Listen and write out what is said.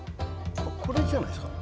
これじゃないですか？